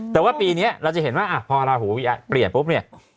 แต่ว่าปีนี้เราจะเห็นว่าพอลาหูเปลี่ยนปุ๊บเนี่ย